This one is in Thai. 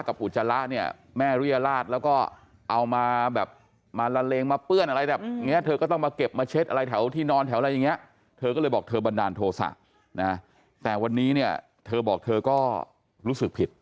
บันดาลโทษะนะฮะแต่วันนี้เนี่ยเธอบอกเธอก็รู้สึกผิด